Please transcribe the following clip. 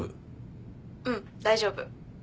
うん大丈夫。